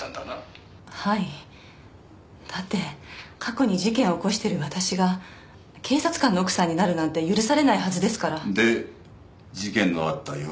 はいだって過去に事件を起こしてる私が警察官の奥さんになるなんて許されないはずですからで事件のあった夜は？